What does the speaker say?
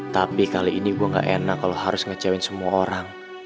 tapi kali ini gue gak enak kalau harus ngecewain semua orang